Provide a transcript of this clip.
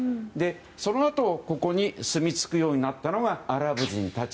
そのあと、ここに住み着くようになったのがアラブ人たち。